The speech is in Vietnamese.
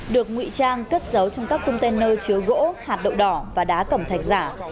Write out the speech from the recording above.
được ngụy trang cất giấu trong các container chứa gỗ hạt đậu đỏ và đá cẩm thạch giả